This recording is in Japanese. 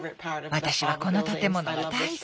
私はこの建物が大好き。